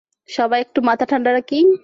সবাই একটু মাথা ঠান্ডা রাখি।